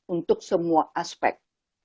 untuk semua aspek